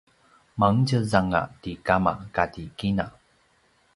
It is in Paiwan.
mangtjez anga ti kama kati kina